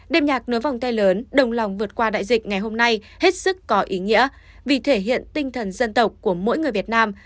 đêm nhạc nối vòng tay lớn đồng lòng vượt qua đại dịch ngày hôm nay hết sức có ý nghĩa vì thể hiện tinh thần dân tộc của mỗi người việt nam